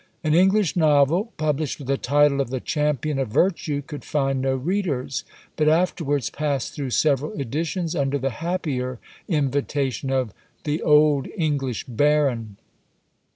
An English novel, published with the title of "The Champion of Virtue," could find no readers; but afterwards passed through several editions under the happier invitation of "The Old English Baron."